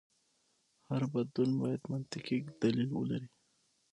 هر بدلون باید منطقي دلیل ولري.